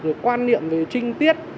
rồi quan niệm về trinh tiết